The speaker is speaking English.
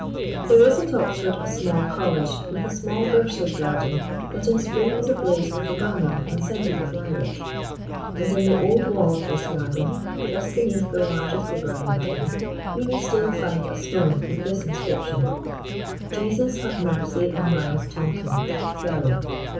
There is at Oxford a small college, with a small bursar's garden that in spring is ablaze with laburnum and scented with lilac; and in the old wall of this garden, just beneath the largest laburnum tree, you may still find a stone with this inscription: "_Jesus have mercy on Miles Tonken, Fellow.